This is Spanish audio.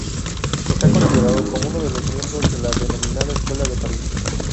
Está considerado como uno de los miembros de la denominada Escuela de París.